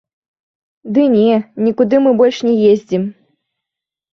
Ды не, нікуды мы больш не ездзім.